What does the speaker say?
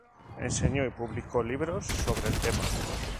Enseñó y publicó libros sobre el tema.